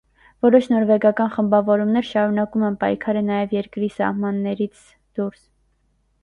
Որոշ նորվեգական խմբավորումներ շարունակում են պայքարը նաև երկրի սահմաններից դուրս։